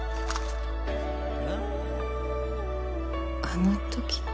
あの時の？